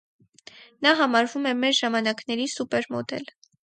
Նա համարվում է մեր ժամանակների սուպերմոդել։